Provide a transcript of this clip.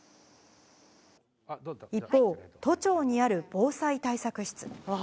一方、都庁にある防災対策室。